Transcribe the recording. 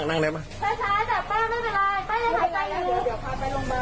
ช้าจากป้าไม่เป็นไรป้าหายใจลึก